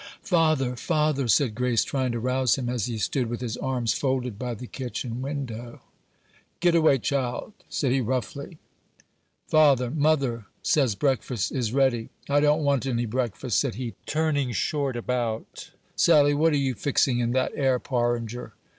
"Father! father!" said Grace, trying to rouse him, as he stood with his arms folded by the kitchen window. "Get away, child!" said he, roughly. "Father, mother says breakfast is ready." "I don't want any breakfast," said he, turning short about. "Sally, what are you fixing in that 'ere porringer?"